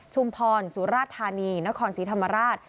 ชุมพรสุราธารณีนครสีธรรมาราช